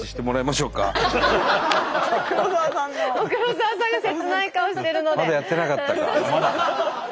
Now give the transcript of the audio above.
まだやってなかったか。